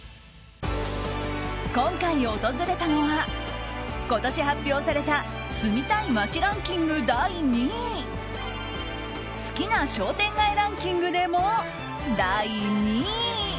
今回訪れたのは、今年発表された住みたい街ランキング第２位好きな商店街ランキングでも第２位。